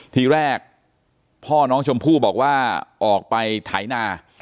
ทีแรกพ่อน้องชมพู่บอกว่าออกไปไถนา